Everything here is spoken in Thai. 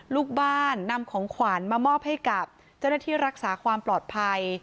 ลูกบ้านนำของขวัญมามอบให้กับเจ้าหน้าที่รักษาความปลอดภัย